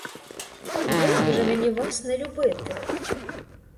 Як же мені вас не любити?